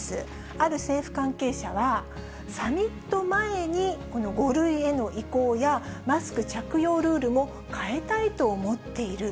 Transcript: ある政府関係者は、サミット前に、この５類への移行や、マスク着用ルールも変えたいと思っている。